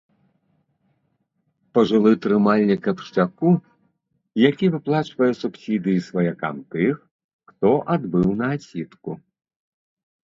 Пажылы трымальнік абшчаку, які выплачвае субсідыі сваякам тых, хто адбыў на адсідку.